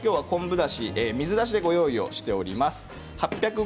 昆布だし、水出しでご用意しております。